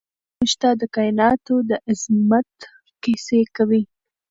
ساینسي کشفیات موږ ته د کائناتو د عظمت کیسې کوي.